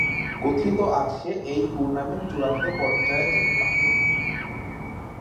কথিত আছে এই টুর্নামেন্ট চূড়ান্ত পর্যায়ে যেতে পারতো না।